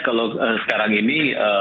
kalau sekarang ini